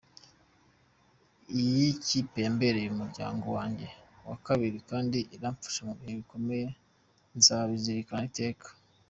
Iyi kipe yambereye umuryango wanjye wa kabiri kandi iramfasha mu bihe bikomeye, nzabizirikana iteka”.